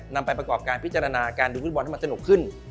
นำไปประกอบการพิจารณาการดูฟุตบอลให้มันสนุกขึ้น